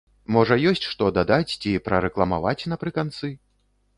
Можа, ёсць, што дадаць, ці прарэкламаваць напрыканцы?